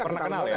pernah kenal ya